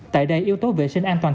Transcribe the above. tại đây yếu tố vệ sinh an toàn